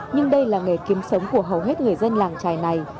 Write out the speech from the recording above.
nhưng đây là nghề kiếm sống của hầu hết người dân làng trài này